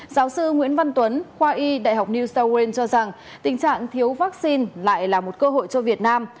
giáo sư nguyễn văn tuấn khoa y đại học new south wales cho rằng tình trạng thiếu vaccine lại là một cơ hội cho việt nam